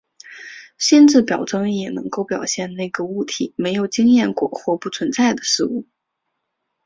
心智表征也能够表现那些个体没有经验过或不存在的事物。